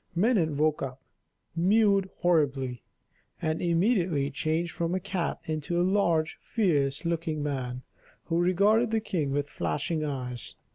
Minon woke up, mewed horribly, and immediately changed from a cat into a large, fierce looking man, who regarded the king with flashing eyes.